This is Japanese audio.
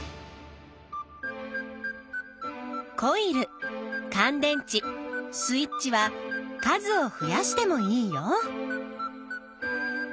コイルかん電池スイッチは数を増やしてもいいよ。